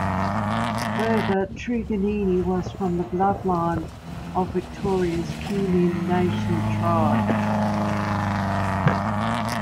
Further, Truganini was from the bloodlines of Victoria's Kulin Nation tribes.